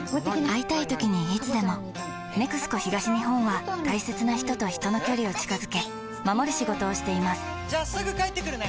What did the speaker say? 会いたいときにいつでも「ＮＥＸＣＯ東日本」は大切な人と人の距離を近づけ守る仕事をしていますじゃあすぐ帰ってくるね！